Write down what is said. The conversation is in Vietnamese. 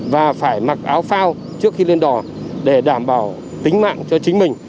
và phải mặc áo phao trước khi lên đò để đảm bảo tính mạng cho chính mình